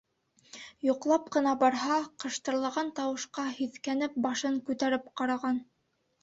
Йоҡлап ҡына барһа, ҡыштырлаған тауышҡа һиҫкәнеп башын күтәреп ҡараған.